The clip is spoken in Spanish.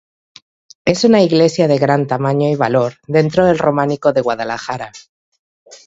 Es una iglesia de gran tamaño y valor dentro del románico de Guadalajara.